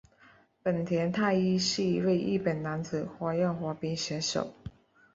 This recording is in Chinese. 本田太一是一位日本男子花样滑冰选手。